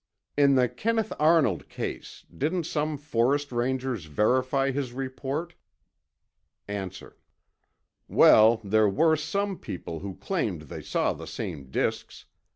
In the Kenneth Arnold case, didn't some forest rangers verify his report? A. Well, there were some people who claimed they saw the same disks.